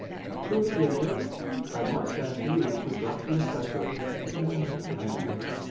"To begin with, I must ask you to drop the 'assessor,'" began the young man.